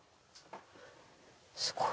すごい。